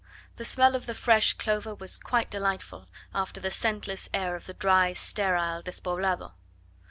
The smell of the fresh clover was quite delightful, after the scentless air of the dry, sterile Despoblado.